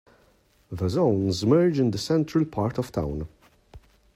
The zones merge in the central part of town.